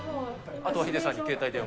あとはヒデさんに携帯電話。